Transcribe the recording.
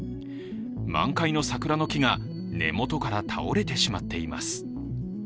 満開の桜の木が根元から倒れてしまっています。